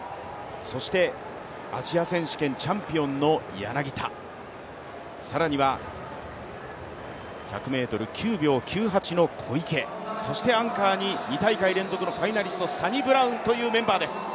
そしてアジア選手権チャンピオンの柳田、更には１００ｍ９秒９８の小池、そしてアンカーに２大会連続のファイナリストのサニブラウンというメンバーです。